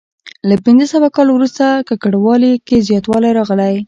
له پنځه سوه کال وروسته ککړوالي کې زیاتوالی راغلی.